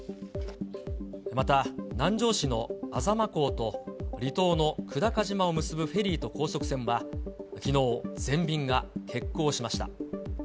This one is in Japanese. また、南城市の安座真港と離島の久高島を結ぶフェリーと高速船はきのう、全便が欠航しました。